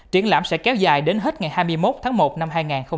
triển lãm sẽ kéo dài đến hết ngày hai mươi một tháng một năm hai nghìn một mươi sáu